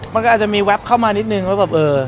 มันก็อาจจะมีแป๊บเข้ามานิดนึงว่าแบบเออ